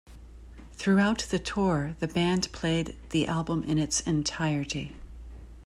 Throughout the tour, the band played the album in its entirety.